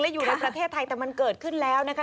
อยู่ในประเทศไทยแต่มันเกิดขึ้นแล้วนะคะ